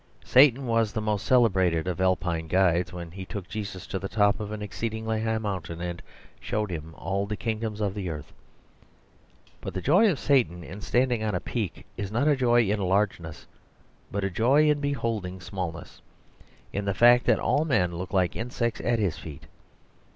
Satan was the most celebrated of Alpine guides, when he took Jesus to the top of an exceeding high mountain and showed him all the kingdoms of the earth. But the joy of Satan in standing on a peak is not a joy in largeness, but a joy in beholding smallness, in the fact that all men look like insects at his feet.